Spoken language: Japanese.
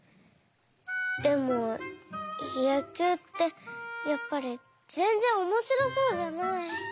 でもやきゅうってやっぱりぜんぜんおもしろそうじゃない。